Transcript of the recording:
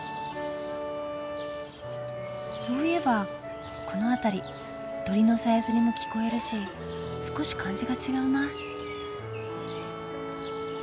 そういえばこの辺り鳥のさえずりも聞こえるし少し感じが違うな。